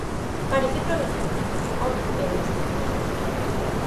Parece provenir de un entorno pobre, pero esto no es así.